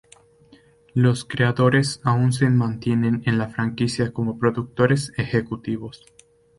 Los creadores aún se mantienen en la franquicia como productores ejecutivos.